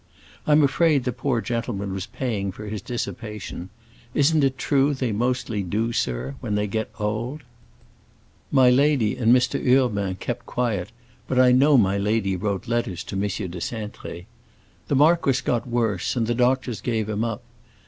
I'm afraid the poor gentleman was paying for his dissipation; isn't it true they mostly do, sir, when they get old? My lady and Mr. Urbain kept quiet, but I know my lady wrote letters to M. de Cintré. The marquis got worse and the doctors gave him up.